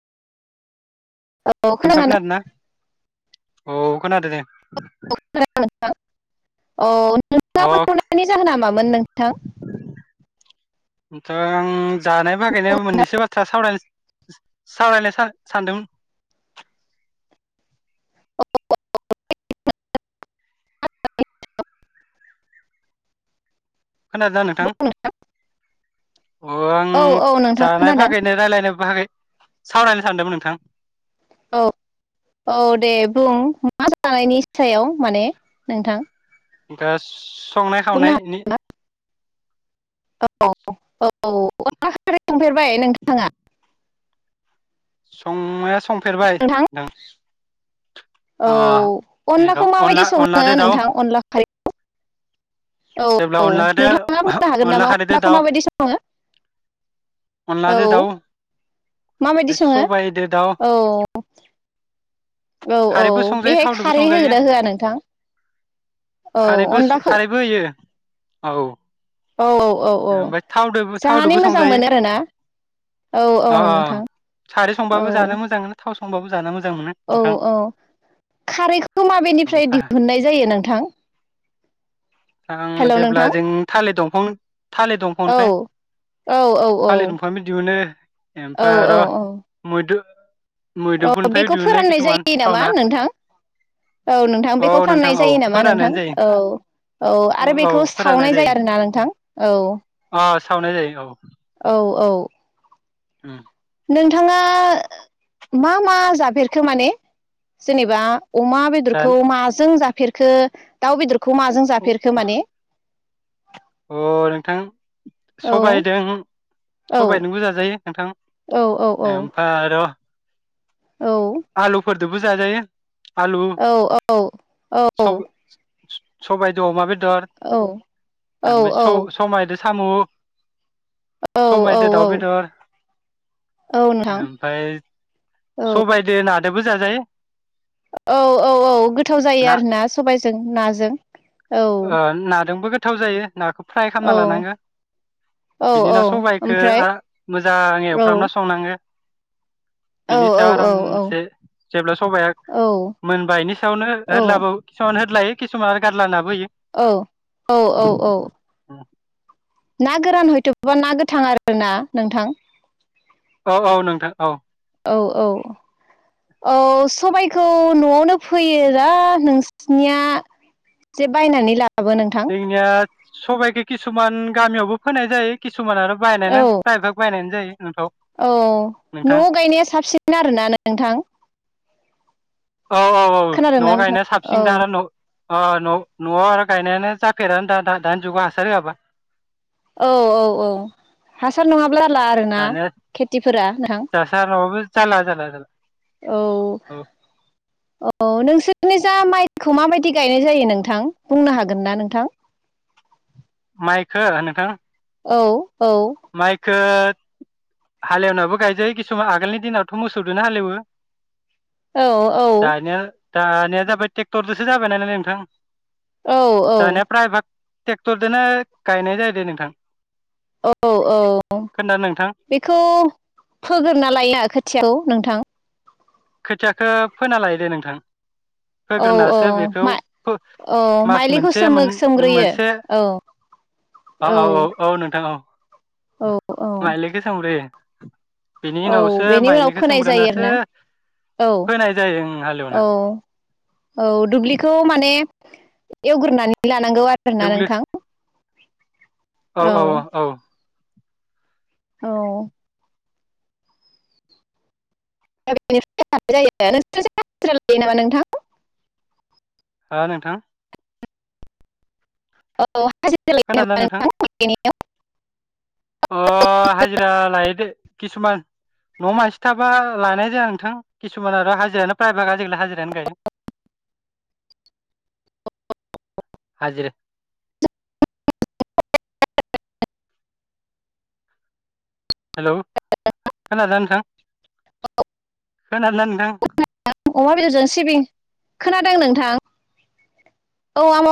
नोंथां खोनादों औ खोनादो दे। खोनादों नोंथां औ अ नोंथाङा फन हरनायनि जाहोना मामोन नोंथां? जों जानाय बागैनो मोननैसो बाथ्रा सावरायनो सावरायनो सान सानदोंमोन। खोनादों नोंथां? अ आं औ औ नोंथां जानाय खोनादों फागैनो रायज्लायनो फागै सावरायनो सानदोंमोन नोंथां। औ औ दे बुं मा जानायनि सायाव माने नोंथां। नोंथांङा संनाय बुंनो खावनायनि हागोन ना? औ औ अनला खारै सांफेरबाय नोंथाङा? संनाया संफेरबाय नोंथां। औ अनलाखौ माबायदि अनला सङो अनलाजों दाउ नोंथां अनला खारै औ जेब्ला औ अनलादो नोंथाङा बुंनो हागोन अनला नामा खारैदो अनलाखौ दाउ माबायदि सङो। औ अनलाजों दाउ माबायदि सङो सबाइदो दाउ औ। औ औ खारैबो संजायो बेहाय थावदोबो खारै संजायो होगोना होआ नोंथां? औ खारैबो अनलाखौ खारैबो होयो औ। औ औ औ औ ओमफ्राय थावदोबो जानानै थावदोबो मोजां संजायो। मोनो आरोना औ औ अ अ नोंथां खारै औ संबाबो जानो मोजां मोनो थाव संबाबो जानो मोजां मोनो। औ नोंथां औ खारैखौ माबेनिफ्राय ओमफ्राय दिहुननाय जायो नोंथां? नोंथां जेब्ला जों थालिर दंफां थालिर औ दंफांनिफ्राय। औ औ औ। फायबो दिहुनो औ ओमफ्राय आरो औ मुदु मुदफुलनिफ्रायबो दिहुनो खिसुमान। फि नामा नोंथां औ नोंथां औ बेखौ नोंथां फाननाय औ जायो नामा नोंथां फोराननायानो जायो औ औ आरो बेखौ सावनाय जायो आरोना नोंथां औ। अ सावनाय जायो औ औ औ ओम नोंथाङा मा मा जाफेरखो माने जेनेबा? अमा बेदरखौ जान माजों जाफेरखो दाउ बेदरखौ माजों अ जाफेरखो माने। अ नोंथां औ सबायदों औ सबायजोंबो जाजायो नोंथां। औ औ औ। आर औ आलुफोरदोबो जाजायो आलु सब सबायदो अमा बेदर। औ औ ओमफ्राय स-स-समायदो समायदो दाव औ बेदर औ नोंथां ओमफ्राय औ सबायदो नादोबो जाजायो औ औ औ गोथाव जायो ना आरोना सबायजों नाजों औ ओ नादोंबो गोथाव जायो नाखौ फ्राय औ खालामना लानांगो औ बिनि औ उनाव सबायखौ ओमफ्राय आ मोजां औ एवफ्रामना संनांगो औ बिनि औ सायाव औ आरामसे जेब्ला सबाया मोनबायनि इनि सायावनो औ होदलाबावो किसुमान होदलायो किसुमान आरो गारला नाबो होयो औ औ औ औ औ ना गोरान हयथ'बा ना गोथां आरो ना नोंथां औ औ नोंथां औ औ औ औ सबायखौ न'आवनो फैयोना नोंसिनिया जे बायनानै लाबो नोंथां जोंनिया सबायखो किसुमान गामियावबो फोनाय जायो किसुमान आरो बायनानै औ प्राइभाग बायनायानो जायो नोंथाव औ न'आव गायनाया साबसिन आरोना नोंथां औ औ औ खोनादोंना न'आव नोंथां गायनाया औ साबसिनथार आरो न'आव अ' न'आव न'आव आरो गायनायानो जाखेरा दा-दा-दानि जुगाव हासार होआबा औ औ औ हासार नङाब्ला फोरला आरोना दानिया खेथिफोरा नोंथां हासार नङाबाबो जारला जारला जारला औ औ औ नोंसोरनि जा माइखौ माबायदि गायनाय जायो नोंथां बुंनो हागोन ना नोंथां? माइखो नोंथां औ औ माइखो हाल एवनाबो गायजायो खिसुमान आगोलनि दिनावथ' मोसौदो हाल एवो औ दानिया दानिया जाबाय ट्रेक्टरजोंसो जाबाय नालाय नोंथां औ औ टेक्टरदोनो गायनाय जायो दे नोंथां औ औ खोन्थादों नोंथां? बेखौ फोग्रोना लायोना खोथिआखौ नोंथां खोथियाखौ फोना लायो दे नोंथां औ औ फोग्रोनासो बेखौ मा फो औ मास माइलिखौ मोनसे सोमो सोमग्रोयो मोन-मोनसे औ औ औ औ औ नोंथां औ औ औ माइलिखो सोमग्रोयो बिनि औ उनावसो बेनि उनाव माइलिखौ फोनाय जायो सोंमग्रोनासो आरोना औ औ औ दुब्लिखौ माने एवग्रोनानै लानांगौ आरोना दुब्लि नोंथां [inaudible] औ औ औ औ औ दा बेनिफ्राय मादि जायो नोंसोर हाजिरा लायो नामा नोंथां? हो नोंथां? औ हाजिरोल नामा नोंथां? अ हाजिरा लायैदे किसुमान न'आव मानसि थाबा लानाय जाया नोंथां किसुमान आरो हाजिरायानो प्राइभाग आजिखालि हाजिरायानो गायदों हाजिरा हेल' खोनादोंना नोंथां? [unintelligible] खोनादोंना नोंथां? अमा बेदरजों सिबिं खोनादों नोंथां औ आं